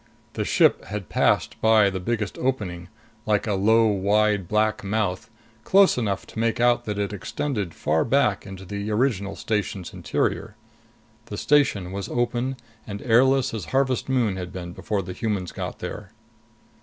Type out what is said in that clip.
The ship had passed by the biggest opening, like a low wide black mouth, close enough to make out that it extended far back into the original station's interior. The station was open and airless as Harvest Moon had been before the humans got there.